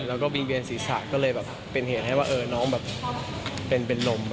แล้วก็บินเวียนศีรษะก็เลยแบบเป็นเหตุให้ว่าน้องแบบเป็นลม